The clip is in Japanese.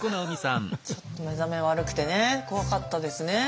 ちょっと目覚め悪くてね怖かったですね。